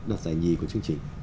đọc giải nhì của chương trình